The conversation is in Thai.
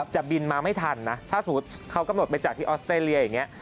จะบินมาไม่ทันนะถ้าสมมุติเขากำหนดไปจากที่ออสเตรเลียอย่างนี้